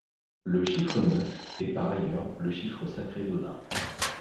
Le chiffre neuf est par ailleurs le chiffre sacré d'Odin.